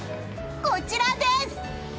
こちらです！